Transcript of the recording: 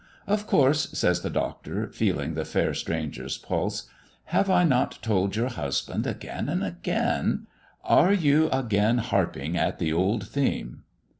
"Of course," says the Doctor, feeling the fair stranger's pulse. "Have I not told your husband again and again" "Are you again harping at the old theme?"